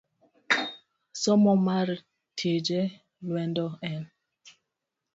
Somo mar tije lwedo en